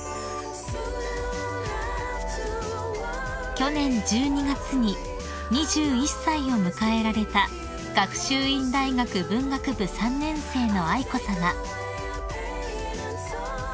［去年１２月に２１歳を迎えられた学習院大学文学部３年生の愛子さま］